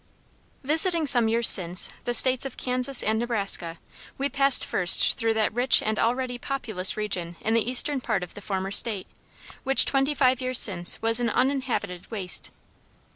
Visiting some years since the States of Kansas and Nebraska, we passed first through that rich and already populous region in the eastern part of the former State, which twenty five years since was an uninhabited waste.